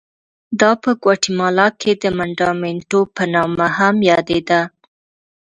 دا په ګواتیمالا کې د منډامینټو په نامه هم یادېده.